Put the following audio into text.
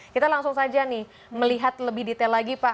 kita langsung saja nih melihat lebih detail lagi pak